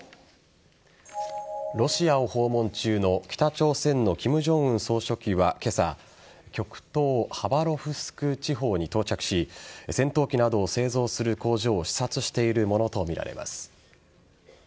ロシアを訪問中の北朝鮮の金正恩総書記は今朝極東・ハバロフスク地方に到着し戦闘機などを製造する工場を視察しているものとみられます。